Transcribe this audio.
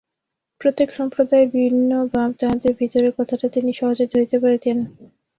প্রত্যেক সম্প্রদায়ের ভিন্ন ভাব, তাহাদের ভিতরের কথাটা তিনি সহজেই ধরিতে পারিতেন।